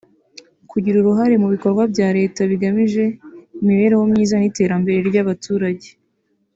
kugira uruhare mu bikorwa bya Leta bigamije imibereho myiza n’iterambere ry’abaturage